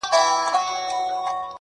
د انارګل او نارنج ګل او ګل غونډیو راځي!.